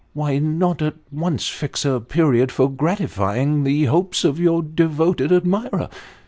Why not at once fix a period for gratifying the hopes of your devotod admirer